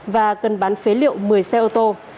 và cần bán phế liệu một mươi xe ô tô